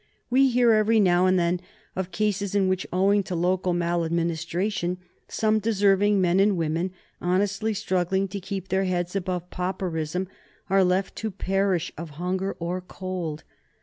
We hear every now and then of cases in which, owing to local maladministration, some deserving men and women, honestly struggling to keep their heads above pauperism, are left to perish of hunger or cold.